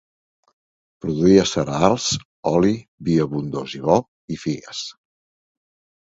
Produïa cereals, oli, vi abundós i bo i figues.